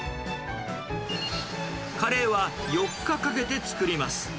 カレーは４日かけて作ります。